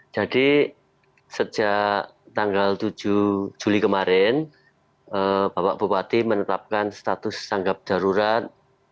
jadi sejak tanggal tujuh juli kemarin bapak bupati menetapkan status tanggap darurat